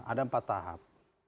ada empat tahap